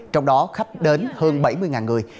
trong đó khách đến hơn bảy mươi người